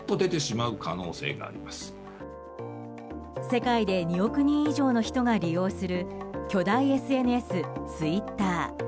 世界で２億人以上の人が利用する巨大ＳＮＳツイッター。